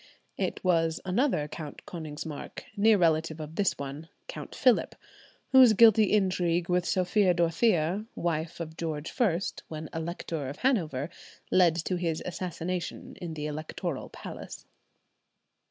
It was another Count Konigsmark, near relative of this one, Count Philip, whose guilty intrigue with Sophia Dorothea, wife of George I, when Elector of Hanover, led to his assassination in the electoral palace.